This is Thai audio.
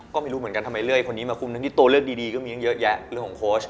ก็ไม่รู้เหมือนกันทำไมเลื่อยคนนี้มาคุมทั้งที่ตัวเลือกดีก็มีตั้งเยอะแยะเรื่องของโค้ช